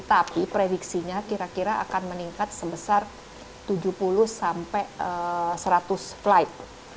tapi prediksinya kira kira akan meningkat sebesar tujuh puluh sampai seratus flight